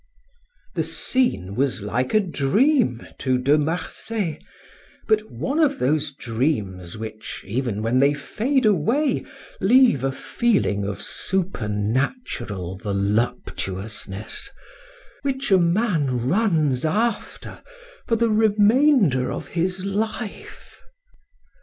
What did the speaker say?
The scene was like a dream to De Marsay, but one of those dreams which, even when they fade away, leave a feeling of supernatural voluptuousness, which a man runs after for the remainder of his life.